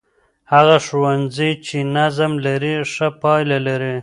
هغه ښوونځی چې نظم لري، ښه پایله لري.